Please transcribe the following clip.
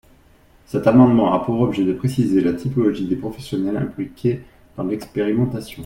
Cet amendement a pour objet de préciser la typologie des professionnels impliqués dans l’expérimentation.